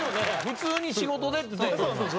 普通に「仕事で」って。